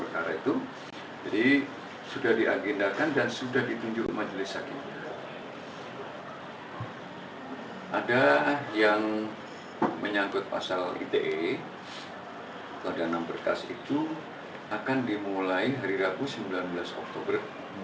kedanaan berkas itu akan dimulai hari rabu sembilan belas oktober